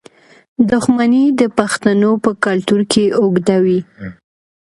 دښمني د پښتنو په کلتور کې اوږده وي.